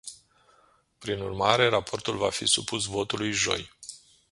Prin urmare, raportul va fi supus votului joi.